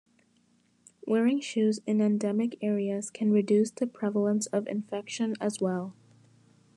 Wearing shoes in endemic areas can reduce the prevalence of infection as well.